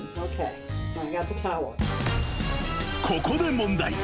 ［ここで問題］